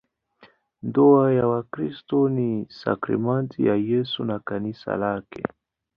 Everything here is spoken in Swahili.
Ndoa ya Wakristo ni sakramenti ya Yesu na Kanisa lake.